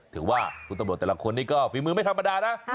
ถือว่าคุณตำรวจแต่ละคนนี้ก็ฝีมือไม่ธรรมดานะ